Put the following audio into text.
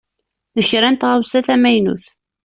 D kra n taɣawsa tamynut.